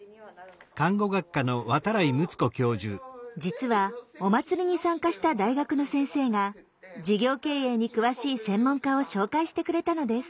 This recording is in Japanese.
実はお祭りに参加した大学の先生が事業経営に詳しい専門家を紹介してくれたのです。